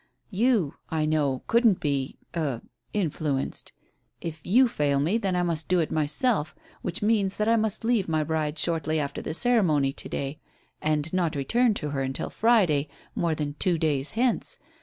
You, I know, couldn't be er influenced. If you fail me, then I must do it myself, which means that I must leave my bride shortly after the ceremony to day, and not return to her until Friday, more than two days hence.